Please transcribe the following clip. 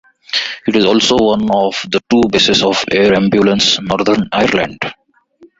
It is also one of the two bases of Air Ambulance Northern Ireland.